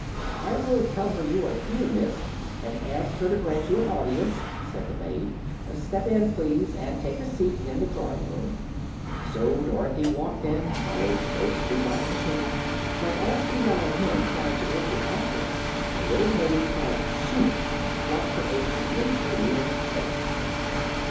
"I will tell her you are here, miss, and ask her to grant you an audience," said the maid. "Step in, please, and take a seat in the drawing room." So Dorothy walked in, followed closely by the machine. But as the yellow hen tried to enter after them, the little maid cried "Shoo!" and flapped her apron in Billina's face.